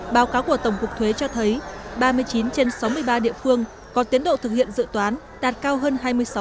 báo cáo của tổng cục thuế cho thấy ba mươi chín trên sáu mươi ba địa phương có tiến độ thực hiện dự toán đạt cao hơn hai mươi sáu